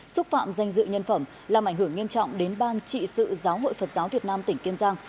xúc phạm danh dự nhân phẩm làm ảnh hưởng nghiêm trọng đến ban trị sự giáo hội phật giáo việt nam tỉnh kiên giang